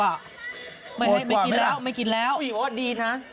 โหดกว่าไหมล่ะโหดกว่าไหมล่ะไม่กินแล้วดีนะ